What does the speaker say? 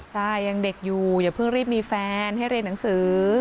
ใช่ยังเด็กอยู่อย่าเพิ่งรีบมีแฟนให้เรียนหนังสือ